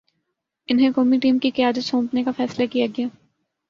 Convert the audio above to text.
انہیں قومی ٹیم کی قیادت سونپنے کا فیصلہ کیا گیا۔